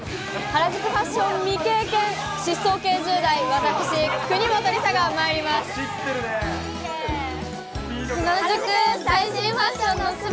原宿ファッション未経験、疾走系１０代、私、国本梨紗がまいります。